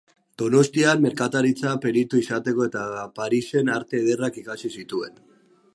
Donostian merkataritza-peritu izateko eta Parisen Arte Ederrak ikasi zituen.